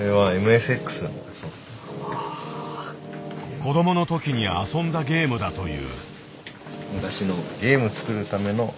子供の時に遊んだゲームだという。